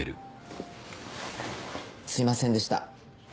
すいませんでした